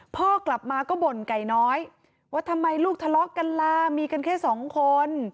พ่อกลับมาก็บ่นไก่น้อยว่าทำไมลูกทะเลาะกันล่ะมีกันแค่สองคน